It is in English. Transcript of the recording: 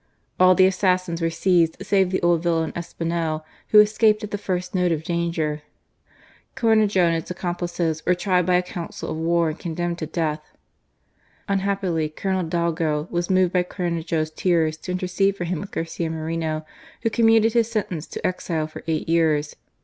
All the assassins were seized save the old villain, Espinel, who escaped at the first note of danger. Cornejo and his accomplices were tried by a council of war and condemned to death. Unhappily, Colonel Dalgo THE ASSASSIN CORN E JO. 219 was moved by Cornejo's tears to intercede for him with Garcia Moreno, who commuted his sentence to exile for eight years.